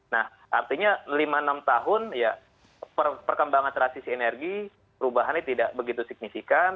nah artinya lima enam tahun ya perkembangan transisi energi perubahannya tidak begitu signifikan